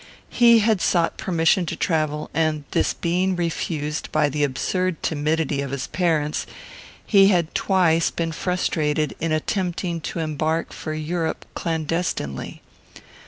He had sought permission to travel, and, this being refused by the absurd timidity of his parents, he had twice been frustrated in attempting to embark for Europe clandestinely.